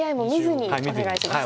お願いします。